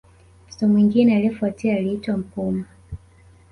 Mtoto mwingine aliyefuatia aliitwa Mpuma